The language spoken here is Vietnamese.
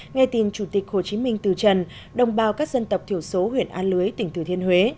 nghe tin chủ tịch hồ chí minh từ trần đồng bào các dân tộc thiểu số huyện a lưới tỉnh thừa thiên huế